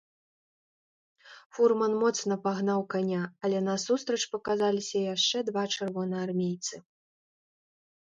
Фурман моцна пагнаў каня, але насустрач паказаліся яшчэ два чырвонаармейцы.